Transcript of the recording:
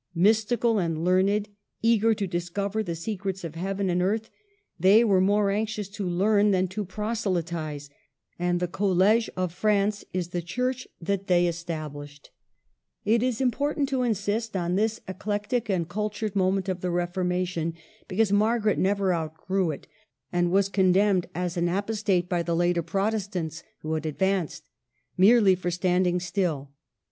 Mystical and learned, eager to discover the secrets of heaven and earth, they were more anxious to learn than to proselytize ; and the College of France is the Church that they established. THE SORBONNE. I41 It is important to insist on this eclectic and cultured moment of the Reformation, because Margaret never outgrew it, and was condemned as an apostate by the later Protestants, who had advanced, merely for standing still.